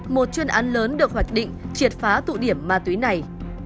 một chuyên án lớn được hoạch định triệt phá tụ điểm ma túy này